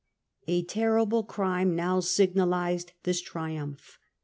a terrible crime now signalised this triumph.